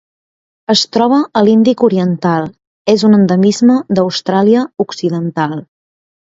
Es troba a l'Índic oriental: és un endemisme d'Austràlia Occidental.